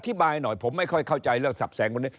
บายหน่อยผมไม่ค่อยเข้าใจเรื่องสับแสงคนนี้